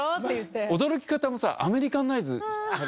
驚き方もさアメリカンナイズ。